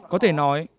có thể nói